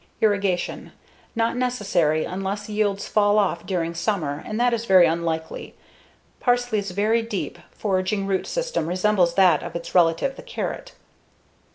Irrigation: Not necessary unless yield falls off during summer and that is very unlikely. Parsley's very deep, foraging root system resembles that of its relative, the carrot.